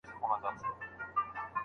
د ګلانو بوی د سهار په وخت کې ډېر زیات وي.